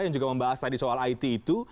yang juga membahas tadi soal it itu